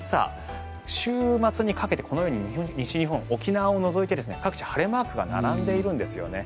週末にかけてこのように西日本沖縄を除いて各地、晴れマークが並んでいるんですよね。